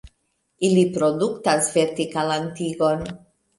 Ili produktas vertikalan tigon.